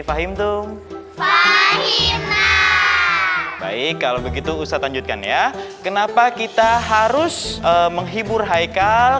fahim tung fahim nah baik kalau begitu usah lanjutkan ya kenapa kita harus menghibur haikal